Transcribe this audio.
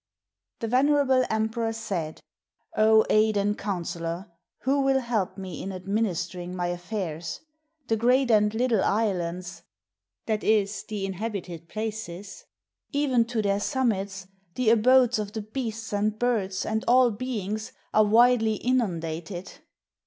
] The venerable emperor said, "Oh! aid and counsellor! Who will help me in administering my affairs? The great and little islets [i.e., the inhabited places], even to their summits, the abodes of the beasts and birds and all beings, are widely inundated.